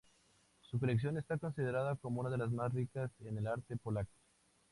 Su colección está considerada como una de las más ricas en el arte polaco.